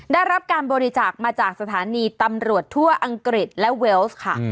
ได้รับการบริจาคมาจากสถานีตำรวจทั่วอังกฤษและเวลส์ค่ะ